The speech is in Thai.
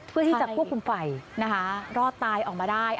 เพื่อที่จะควบคุมไฟนะคะรอดตายออกมาได้